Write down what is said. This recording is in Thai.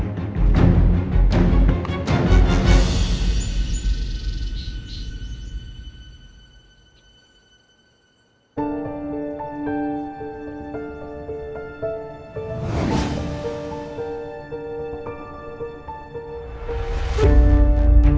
ครับ